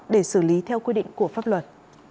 để xử lý theo quy định của pháp luật